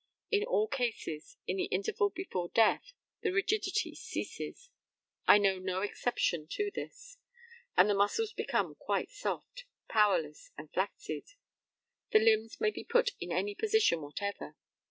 In all cases, in the interval before death, the rigidity ceases (I know no exception to this), and the muscles become quite soft, powerless, and flaccid. The limbs may be put in any position whatever.